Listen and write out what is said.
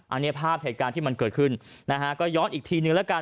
อันนี้ภาพเหตุการณ์ที่มันเกิดขึ้นนะฮะก็ย้อนอีกทีนึงแล้วกัน